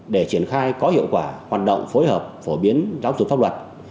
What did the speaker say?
để triển khai có hiệu quả hoạt động phối hợp phổ biến giáo dục pháp luật